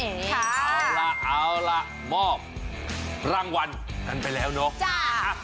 เอาล่ะมอบรางวัลนั้นไปแล้วเนาะ